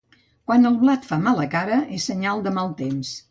Quan el blat fa mala cara és senyal de mal temps.